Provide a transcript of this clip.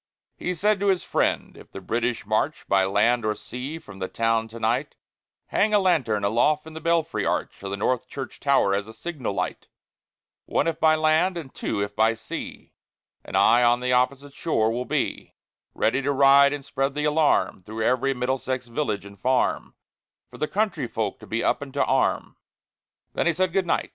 He said to his friend, "If the British march By land or sea from the town to night, Hang a lantern aloft in the belfry arch Of the North Church tower as a signal light, One, if by land, and two, if by sea; And I on the opposite shore will be, Ready to ride and spread the alarm Through every Middlesex village and farm, For the country folk to be up and to arm." Then he said, "Good night!"